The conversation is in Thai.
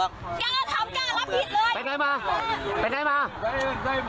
ไปไหนมั้ย